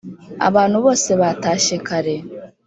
abantu bose batashye kare